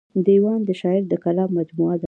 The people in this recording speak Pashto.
دېوان د شاعر د کلام مجموعه ده.